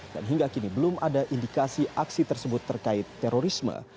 dan hingga kini belum ada indikasi aksi tersebut terkait terorisme